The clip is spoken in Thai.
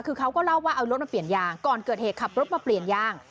คือเขาก็เล่าว่าเอารถมาเปลี่ยนยางก่อนเกิดเหตุขับรถมาเปลี่ยนยาง